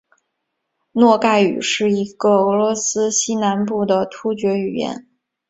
诺盖语是一个俄罗斯西南部的突厥语言。